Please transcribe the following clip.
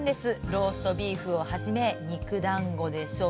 ローストビーフをはじめ肉団子でしょ